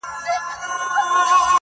ستا د غرور حسن ځوانۍ په خـــاطــــــــر_